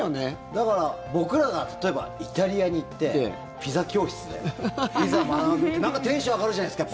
だから僕らが例えばイタリアに行ってピザ教室でピザ学ぶってなんかテンション上がるじゃないですか。